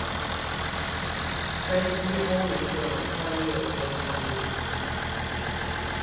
飛機轟鳴著穿越天空